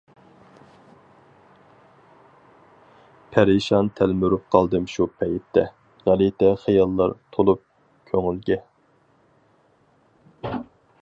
پەرىشان تەلمۈرۈپ قالدىم شۇ پەيتتە، غەلىتە خىياللار تولۇپ كۆڭۈلگە.